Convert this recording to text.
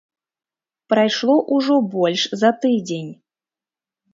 Прайшло ўжо больш за тыдзень.